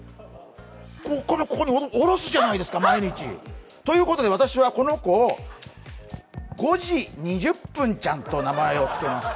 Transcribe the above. ここに下ろすじゃないですか、毎日ということで、私はこの子を５時２０分ちゃんと名前をつけました。